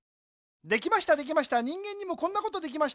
できましたできました人間にもこんなことできました。